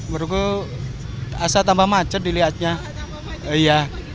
menurutku asal tambah macet dilihatnya